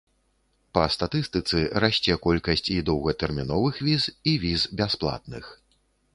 Па статыстыцы, расце колькасць і доўгатэрміновых віз, і віз бясплатных.